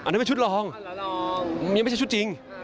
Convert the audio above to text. อันนี้เป็นชุดรองมันยังไม่ใช่ชุดจริง